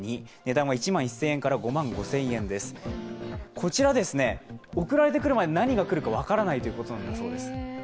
こちら、送られてくるまで、何が来るか分からないということなんだそうです。